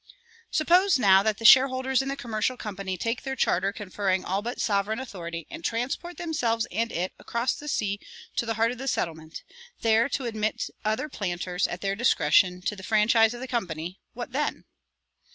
Suppose, now, that the shareholders in the commercial company take their charter conferring all but sovereign authority, and transport themselves and it across the sea to the heart of the settlement, there to admit other planters, at their discretion, to the franchise of the Company, what then?